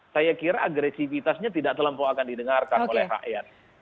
saya kira agresivitasnya tidak terlampau akan didengarkan oleh rakyat